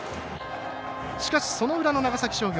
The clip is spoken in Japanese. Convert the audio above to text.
しかしその裏の長崎商業。